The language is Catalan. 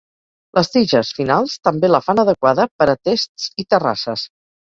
Les tiges finals també la fan adequada per a tests i terrasses.